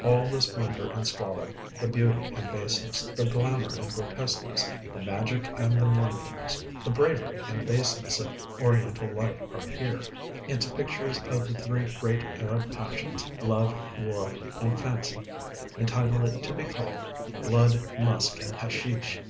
All the splendor and squalor, the beauty and baseness, the glamor and grotesqueness, the magic and the mournfulness, the bravery and baseness of Oriental life are here: its pictures of the three great Arab passions love, war, and fancy entitle it to be called 'Blood, Musk, and Hashish.'